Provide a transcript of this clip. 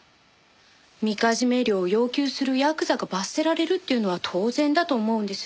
みかじめ料を要求するヤクザが罰せられるっていうのは当然だと思うんです。